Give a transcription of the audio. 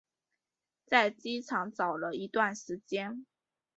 在机场找了一段时间